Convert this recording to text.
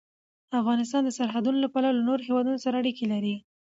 افغانستان د سرحدونه له پلوه له نورو هېوادونو سره اړیکې لري.